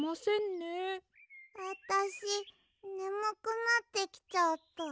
あたしねむくなってきちゃった。